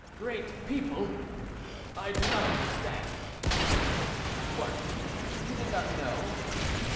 "Great people! I do not understand." "What! you did not know?"